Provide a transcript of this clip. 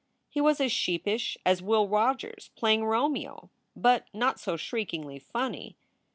He was as sheepish as Will Rogers playing Romeo, but not so shriekingly funny.